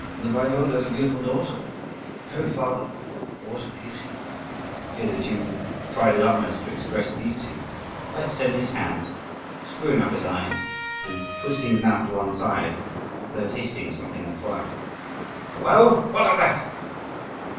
"The Waiwode has a beautiful daughter. Holy Father! what a beauty!" Here the Jew tried his utmost to express beauty by extending his hands, screwing up his eyes, and twisting his mouth to one side as though tasting something on trial. "Well, what of that?"